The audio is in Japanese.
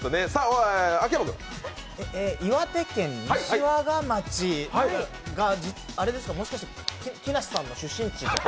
岩手県西和賀町がもしかして木梨さんの出身地とか？